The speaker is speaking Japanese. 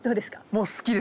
もう好きです！